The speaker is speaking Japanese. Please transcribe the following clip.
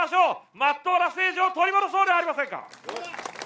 まっとうな政治を取り戻そうではありませんか。